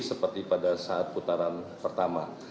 saat putaran pertama